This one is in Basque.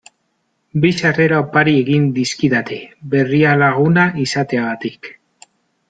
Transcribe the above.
Bi sarrera opari egin dizkidate Berrialaguna izateagatik.